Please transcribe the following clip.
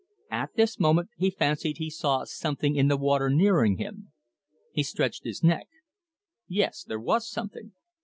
At this moment he fancied he saw something in the water nearing him. He stretched his neck. Yes, there was something.